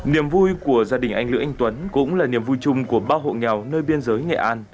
niềm vui của gia đình anh lữ anh tuấn cũng là niềm vui chung của ba hộ nghèo nơi biên giới nghệ an